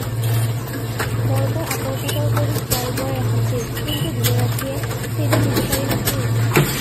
বৰকৈ আতৌ-পুতৌ কৰি খুৱাই-বুৱাই ৰাখিছিল কিন্তু দিনে-ৰাতিয়েই চেলু নিবিচাৰি নাছিল।